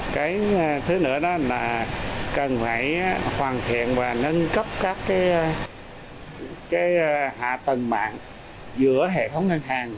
cái thứ nữa đó là cần phải hoàn thiện và nâng cấp các cái hạ tầng mạng giữa hệ thống ngân hàng